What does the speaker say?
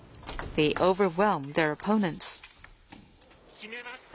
決めました。